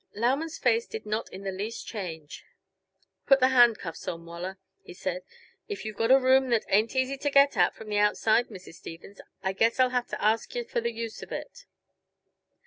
Lauman's face did not in the least change. "Put the hand cuffs on, Waller," he said. "If you've got a room that ain't easy to get at from the outside, Mrs. Stevens, I guess I'll have to ask yuh for the use of it."